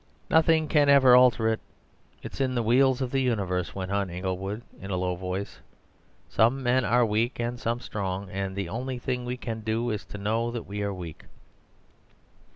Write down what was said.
"Nothing can ever alter it; it's in the wheels of the universe," went on Inglewood, in a low voice: "some men are weak and some strong, and the only thing we can do is to know that we are weak.